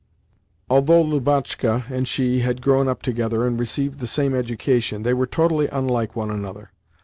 Although Lubotshka and she had grown up together and received the same education, they were totally unlike one another.